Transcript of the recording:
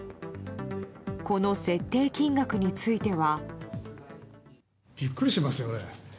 この設定金額については。